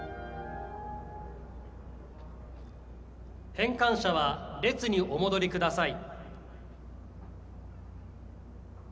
返還者は列にお戻りください。